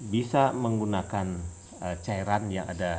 bisa menggunakan cairan yang ada